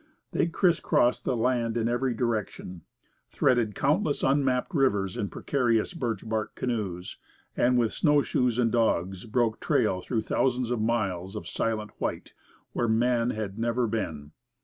They crisscrossed the land in every direction, threaded countless unmapped rivers in precarious birch bark canoes, and with snowshoes and dogs broke trail through thousands of miles of silent white, where man had never been.